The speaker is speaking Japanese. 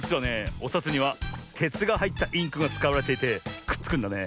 おさつにはてつがはいったインクがつかわれていてくっつくんだね。